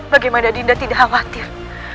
bagaimana dinda tidak khawatir